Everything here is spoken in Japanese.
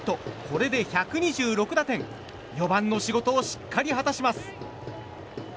これで１２６打点４番の仕事をしっかり果たします。